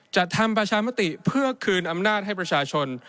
ทำประชามติเพื่อคืนอำนาจให้ประชาชน